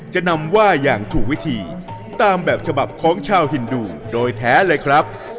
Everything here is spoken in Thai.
จะนำว่าอย่างถูกวิธีตามแบบฉบับของชาวฮินดูโดยแท้เลยครับ